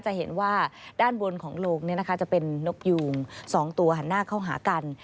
จะเห็นว่าด้านบนของโลงจะเป็นนกยูง๒ตัวหันหน้าเข้าหากัน